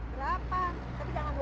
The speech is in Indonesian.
berapa tapi jangan dua puluh